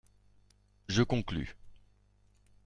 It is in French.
Je conclus.